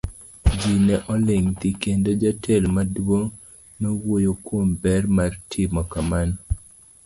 Ji ne oling' thi, kendo jatelo maduong' nowuoyo kuom ber mar timo kamano.